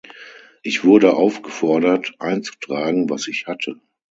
Ich wurde aufgefordert, einzutragen, was ich hatte.